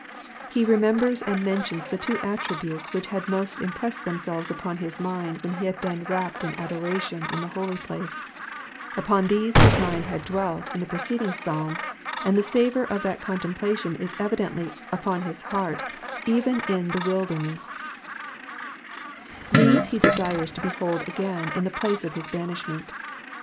He remembers and mentions the two attributes which had most impressed themselves upon his mind when he had been rapt in adoration in the holy place ; upon these his mind had dwelt in the preceding Psalm, and the savour of that contemplation is evidently upon bis heart when in the wilder ness : these he desires to behold again in the place of his banishment.